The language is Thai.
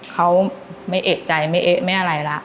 เขาไม่เอกใจไม่เอ๊ะไม่อะไรละ